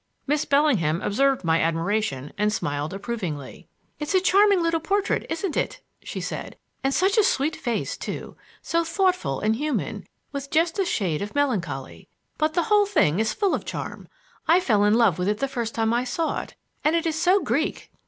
Miss Bellingham observed my admiration and smiled approvingly. "It is a charming little portrait, isn't it?" she said; "and such a sweet face too; so thoughtful and human, with just a shade of melancholy. But the whole thing is full of charm. I fell in love with it the first time I saw it. And it is so Greek!"